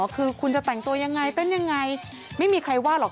คือคุณจะแต่งตัวยังไงเต้นยังไงไม่มีใครว่าหรอก